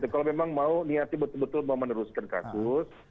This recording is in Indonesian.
kalau memang mau niatnya betul betul mau meneruskan kasus